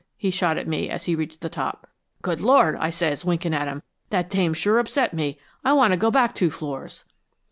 he shot at me as he reached the top." "'Good Lord!' I says, winking at him. 'That dame sure upset me. I want to go back two floors.'"